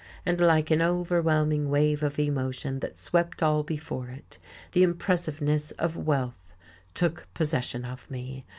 And like an overwhelming wave of emotion that swept all before it, the impressiveness of wealth took possession of me.